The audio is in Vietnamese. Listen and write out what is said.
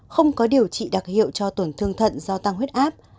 không có điều trị đặc hiệu cho tổn thương thận do tăng huyết áp